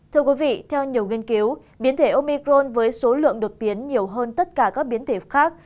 thưa quý vị theo nhiều nghiên cứu biến thể omicron với số lượng đột biến nhiều hơn tất cả các biến thể khác